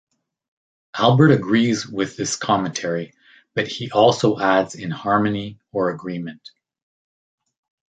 Albert agrees with this commentary but he also adds in harmony or agreement.